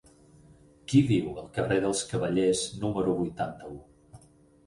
Qui viu al carrer dels Cavallers número vuitanta-u?